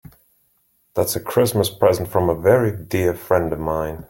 That's a Christmas present from a very dear friend of mine.